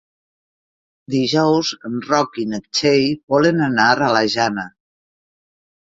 Dijous en Roc i na Txell volen anar a la Jana.